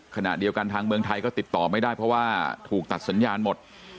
ขณะเดียวกันทางเมืองไทยก็ติดต่อไม่ได้เพราะว่าถูกตัดสัญญาณหมด